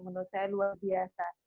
menurut saya luar biasa